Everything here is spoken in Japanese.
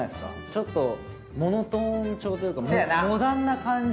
ちょっとモノトーン調というかモダンな感じ。